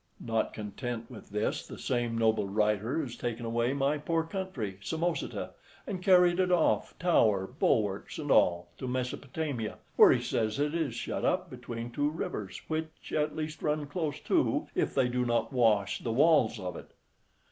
Not content with this, the same noble writer has taken away my poor country, Samosata, and carried it off, tower, bulwarks, and all, to Mesopotamia, where he says it is shut up between two rivers, which at least run close to, if they do not wash the walls of it.